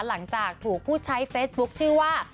หลังจากถูกผู้ใช้เฟซบุ๊คชื่อว่า